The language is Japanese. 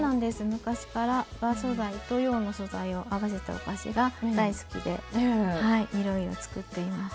昔から和素材と洋の素材を合わせたお菓子が大好きでいろいろ作っています。